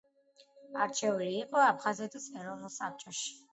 არჩეული იყო აფხაზეთის ეროვნულ საბჭოში.